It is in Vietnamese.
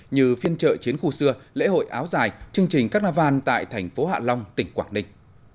như phiên trợ chiến khu xưa lễ hội áo dài chương trình các nà vàn tại thành phố hạ long tỉnh quảng ninh